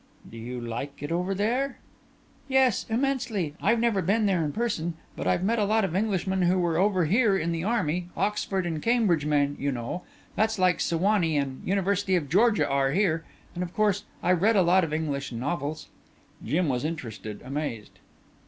"Do you like it over there?" "Yes. Immensely. I've never been there in person, but I've met a lot of Englishmen who were over here in the army, Oxford and Cambridge men you know, that's like Sewanee and University of Georgia are here and of course I've read a lot of English novels." Jim was interested, amazed.